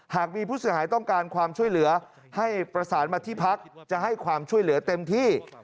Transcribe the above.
หากมีผู้เสียหายต้องการความช่วยเหลือให้ประสานมาที่พักจะให้ความช่วยเหลือเต็มที่